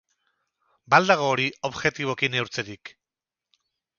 Ba al dago hori objektiboki neurtzerik?